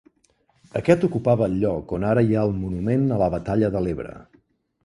Aquest ocupava el lloc on ara hi ha el monument a la batalla de l'Ebre.